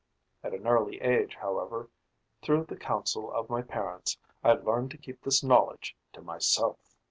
At an early age, however, through the council of my parents, I learned to keep this knowledge to myself.